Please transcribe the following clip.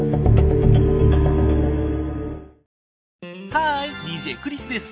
ハーイＤＪクリスです！